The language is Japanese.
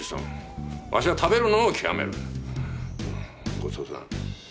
ごちそうさん。